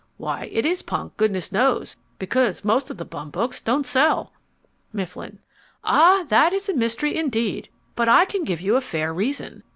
Why it is punk, goodness knows, because most of the bum books don't sell. MIFFLIN Ah, that is a mystery indeed! But I can give you a fair reason.